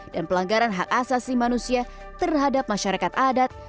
dan pelanggaran hak asasi manusia terhadap masyarakat adat